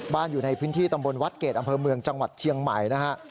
อยู่ในพื้นที่ตำบลวัดเกรดอำเภอเมืองจังหวัดเชียงใหม่นะฮะ